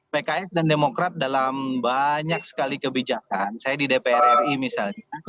pks dan demokrat dalam banyak sekali kebijakan saya di dpr ri misalnya